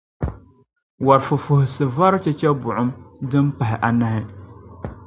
wɔr’ fufuhisi vɔri chɛchɛbuŋ’ din pah’ anahi.